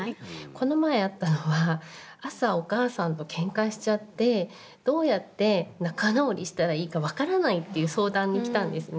この前あったのは朝お母さんとけんかしちゃってどうやって仲直りしたらいいか分からないっていう相談にきたんですね。